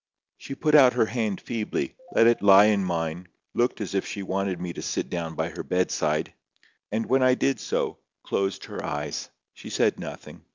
She put out her hand feebly, let it lie in mine, looked as if she wanted me to sit down by her bedside, and when I did so, closed her eyes. She said nothing.